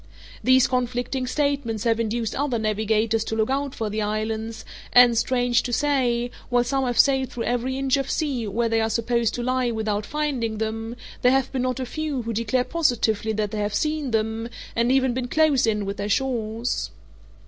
These conflicting statements have induced other navigators to look out for the islands; and, strange to say, while some have sailed through every inch of sea where they are supposed to lie without finding them, there have been not a few who declare positively that they have seen them; and even been close in with their shores.